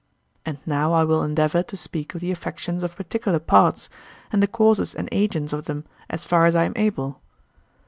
And now I will endeavour to speak of the affections of particular parts, and the causes and agents of them, as far as I am able.